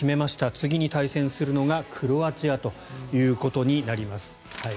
次に対戦するのがクロアチアということになります。